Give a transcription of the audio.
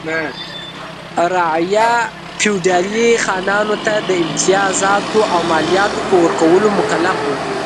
رعایا فیوډالي خانانو ته د امتیازاتو او مالیاتو په ورکولو مکلف و.